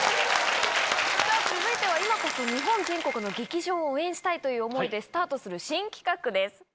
続いては今こそ全国の劇場を応援したいという思いでスタートする新企画です。